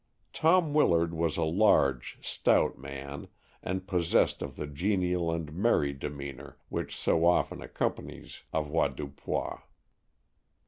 Tom Willard was a large, stout man, and possessed of the genial and merry demeanor which so often accompanies avoirdupois.